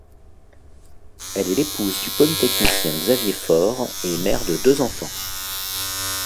Elle est l'épouse du polytechnicien Xavier Faure et mère de deux enfants.